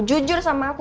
jujur sama aku